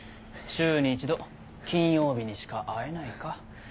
週に一度金曜日にしか会えないか。